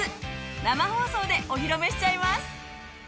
生放送でお披露目しちゃいます。